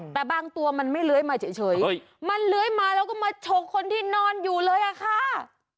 แต่บางตัวมันไม่เลื้อยมาเฉยมันเลื้อยมาแล้วก็มาฉกคนที่นอนอยู่เลยอะค่ะ